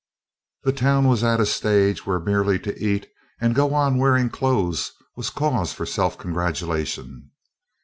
The town was at a stage when merely to eat and go on wearing clothes was cause for self congratulation.